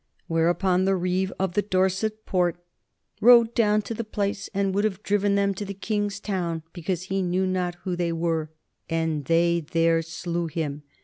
], whereupon the reeve of the Dorset port "rode down to the place and would have driven them to the king's town, because he knew not who they were; and they there slew him.